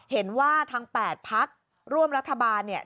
เห็นว่าทาง๘พักร่วมรัฐบาลเนี่ย